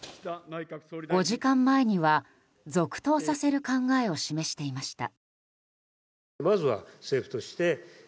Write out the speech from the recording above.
５時間前には、続投させる考えを示していました。